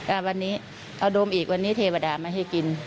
เอาดมอีกวันนี้เทวดาไม่ให้กิน